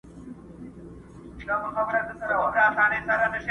هغه د خلکو له سترګو ځان پټ ساتي تل